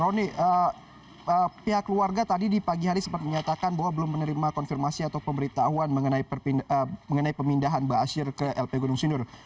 roni pihak keluarga tadi di pagi hari sempat menyatakan bahwa belum menerima konfirmasi atau pemberitahuan mengenai pemindahan ⁇ baasyir ⁇ ke lp gunung sindur